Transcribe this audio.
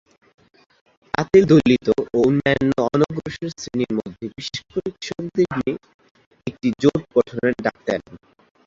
পাতিল দলিত ও অন্যান্য অনগ্রসর শ্রেণির মধ্যে বিশেষ করে কৃষকদের নিয়ে একটি জোট গঠনের ডাক দেন।